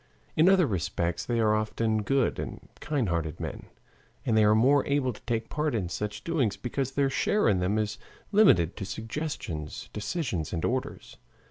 In other respects they are often good and kind hearted men, and they are more able to take part in such doings because their share in them is limited to suggestions, decisions, and orders.